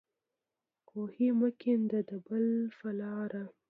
کوهی مه کنده د بل په لار.